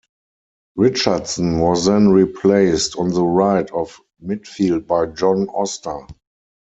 Richardson was then replaced on the right of midfield by John Oster.